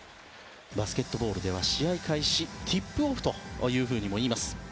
バスケットボールでは試合開始ティップオフというふうにも言います。